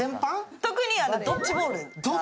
特にドッジボール。